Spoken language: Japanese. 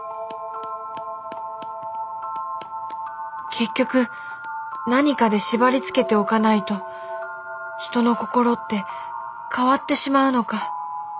結局何かで縛りつけておかないと人の心って変わってしまうのか。